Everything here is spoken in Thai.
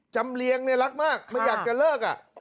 จำเลี้ยงในรักมากไม่อยากจะเลิก